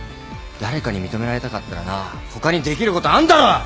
誰かに認められたかったらな他にできることあんだろ！